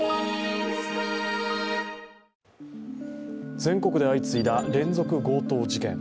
全国で相次いだ連続強盗事件。